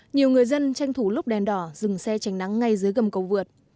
nhiều người dân tranh thủ lúc đèn đỏ dừng xe tránh nắng ngay dưới gầm cầu vượt